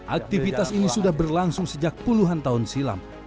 aktivitas ini sudah berlangsung sejak puluhan tahun silam